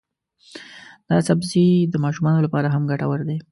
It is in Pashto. دا سبزی د ماشومانو لپاره هم ګټور دی.